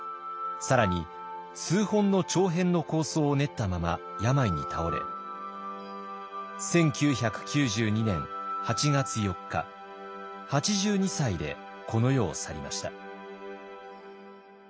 更に数本の長編の構想を練ったまま病に倒れ１９９２年８月４日８２歳でこの世を去りました。